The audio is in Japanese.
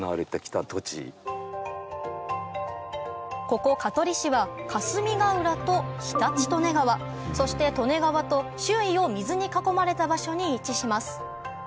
ここ香取市は霞ヶ浦と常陸利根川そして利根川と周囲を水に囲まれた場所に位置します